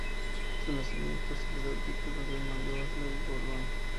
A su nacimiento se le da el título de "Mademoiselle de Bourbon".